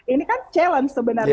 ini kan challenge sebenarnya